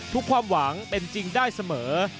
ความหวังเป็นจริงได้เสมอ